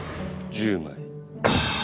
１０枚。